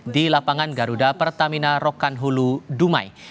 di lapangan garuda pertamina rokan hulu dumai